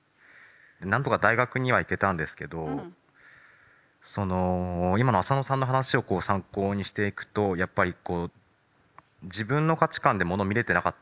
何とか大学には行けたんですけどその今のあさのさんの話を参考にしていくとやっぱり自分の価値観でものを見れてなかったんですよ。